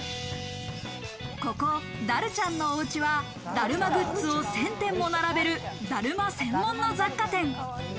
ここ、だるチャンのおうちは、だるまグッズを１０００点も並べる、だるま専門の雑貨店。